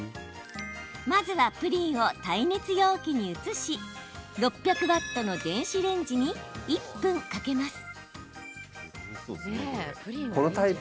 まずは、プリンを耐熱容器に移し６００ワットの電子レンジに１分かけます。